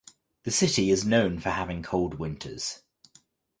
The city is known for having cold winters.